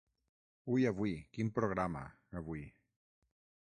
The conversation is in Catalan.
Ui avui, quin programa, avui!